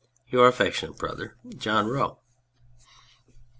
Your affectionate brother, JOHN ROE.